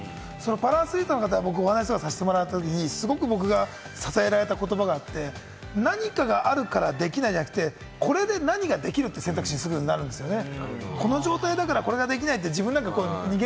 パラアスリートの方、僕お話させてもらったときに、僕がすごく支えられた言葉があって、何かがあるからできないじゃなくて、これで何ができるっていう選択肢にするんですって。